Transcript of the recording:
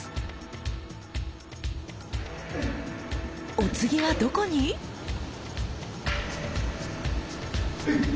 お次はどこに⁉エイ！